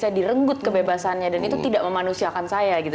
saya direnggut kebebasannya dan itu tidak memanusiakan saya gitu